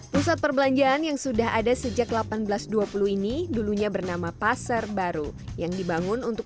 pusat perbelanjaan yang sudah ada sejak seribu delapan ratus dua puluh ini dulunya bernama pasar baru yang dibangun untuk